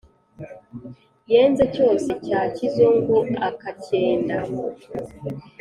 yenze cyose cya kizungu akacyenda